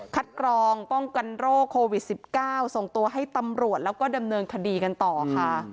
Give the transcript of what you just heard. กรองป้องกันโรคโควิด๑๙ส่งตัวให้ตำรวจแล้วก็ดำเนินคดีกันต่อค่ะ